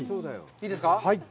いいですか？